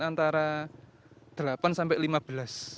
antara delapan sampai lima belas